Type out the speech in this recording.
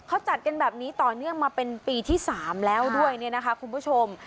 เขาจัดกันแบบนี้ต่อเนื่องมาเป็นปีที่๓แล้วด้วยเนี่ยนะคะคุณผู้ชม